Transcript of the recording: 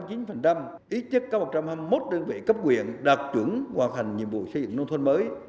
ít nhất có một trăm hai mươi một đơn vị cấp quyền đạt chuẩn hoàn thành nhiệm vụ xây dựng nông thôn mới